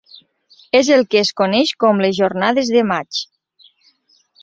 És el que es coneix com les Jornades de Maig.